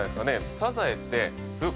サザエって。